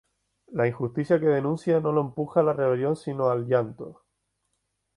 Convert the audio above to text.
La injusticia que denuncia no lo empuja a la rebelión sino al llanto.